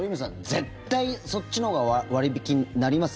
絶対、そっちのほうが割引なります。